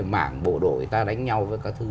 mảng bộ đội ta đánh nhau với các thứ